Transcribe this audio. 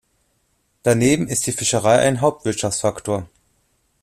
Daneben ist die Fischerei ein Hauptwirtschaftsfaktor.